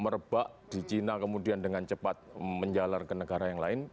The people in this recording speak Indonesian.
merebak di china kemudian dengan cepat menjalar ke negara yang lain